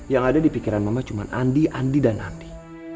yang ada di pikiran mama cuma andi andi dan andi